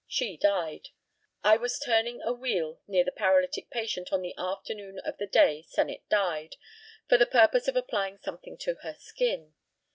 She died. I was turning a wheel near the paralytic patient on the afternoon of the day Sennett died, for the purpose of applying something to her skin.